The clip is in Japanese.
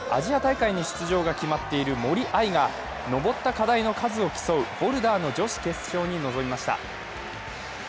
アジア大会への出場が決まっている森秋彩が登った課題の数を競うボルダーの女子決勝に臨みました。